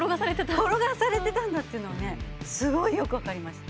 転がされてたんだっていうのをねすごいよく分かりました。